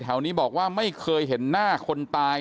นี้บอกว่าไม่เคยเห็นหน้าคนตาย